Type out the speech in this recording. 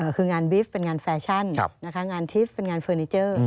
คืองานบีฟเป็นงานแฟชั่นงานทิพย์เป็นงานเฟอร์นิเจอร์